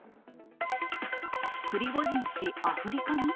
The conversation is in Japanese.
プリゴジン氏、アフリカに？